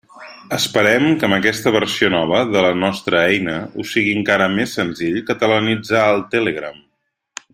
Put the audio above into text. Esperem que amb aquesta versió nova de la nostra eina us sigui encara més senzill catalanitzar el Telegram.